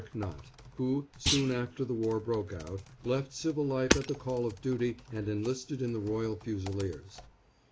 Knott, who, soon after the war broke out, left civil life at the call of duty and enlisted in the Royal Fusiliers.